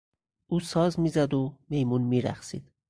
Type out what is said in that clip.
او ساز میزد و میمون میرقصید.